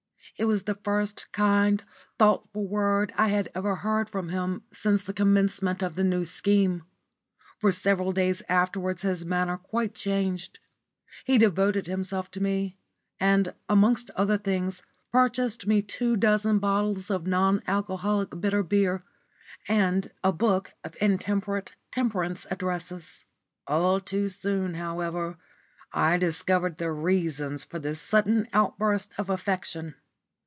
It was the first kind, thoughtful word I had ever heard from him since the commencement of the New Scheme. For several days afterwards his manner quite changed. He devoted himself to me, and, amongst other things, purchased me two dozen bottles of non alcoholic bitter beer, and a book of intemperate temperance addresses. All too soon, however, I discovered the reasons for this sudden outburst of affection.